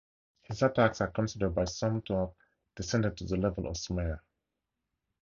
His attacks are considered by some to have descended to the level of smear.